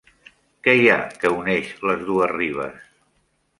Què hi ha que uneix les dues ribes?